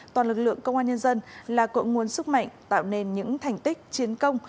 toàn lực lượng công an nhân dân là cội nguồn sức mạnh tạo nên những thành tích chiến công